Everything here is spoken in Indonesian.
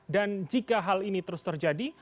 dan jika hal ini terus terjadi